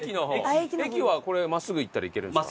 駅はこれ真っすぐ行ったら行けるんですか？